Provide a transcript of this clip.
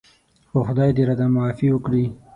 خو خدای دې راته معافي وکړي.